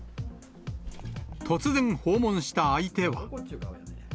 突然訪問した相手は。